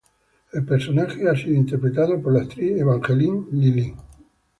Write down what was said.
El personaje ha sido interpretado por la actriz Evangeline Lilly.